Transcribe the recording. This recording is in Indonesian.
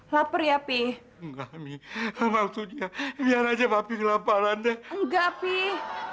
lapar ya pih enggak mi maksudnya biar aja papi kelaparan deh enggak pih